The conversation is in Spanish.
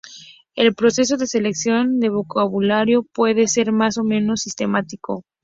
El proceso de selección de vocabulario puede ser más o menos sistemático.